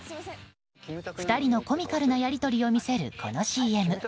２人のコミカルなやり取りを見せる、このＣＭ。